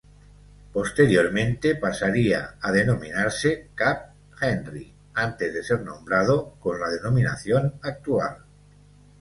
Posteriormente pasaría a denominarse "Cap-Henri", antes de ser nombrado con la denominación actual.